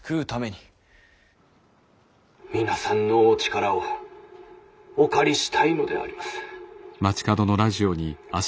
「皆さんのお力をお借りしたいのであります。